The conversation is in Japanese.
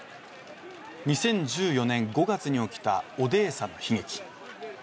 ２０１４年５月に起きたオデーサの悲劇